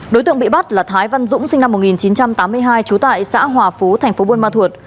đối tượng bị bắt là thái văn dũng sinh năm một nghìn chín trăm tám mươi hai trú tại xã hòa phú thành phố buôn ma thuột